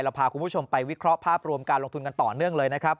พาคุณผู้ชมไปวิเคราะห์ภาพรวมการลงทุนกันต่อเนื่องเลยนะครับ